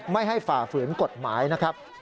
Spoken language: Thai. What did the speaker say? ไม่ให้ฝ่าฝืนกฎหมายนะครับ